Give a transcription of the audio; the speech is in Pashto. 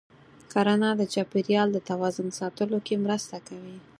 کرنه د چاپېریال د توازن ساتلو کې مرسته کوي.